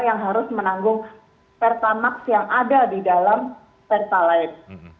yang harus menanggung pertamax yang ada di dalam pertalite